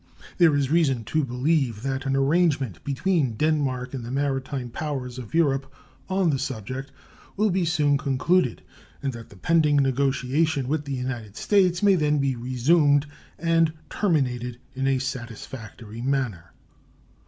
There is reason to believe that an arrangement between Denmark and the maritime powers of Europe on the subject will be soon concluded, and that the pending negotiation with the United States may then be resumed and terminated in a satisfactory manner.